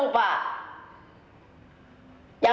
dengan keadaan essential